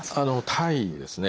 タイですね。